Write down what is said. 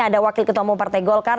ada wakil ketua umum partai golkar